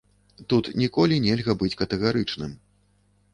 Тут ніколі нельга быць катэгарычным.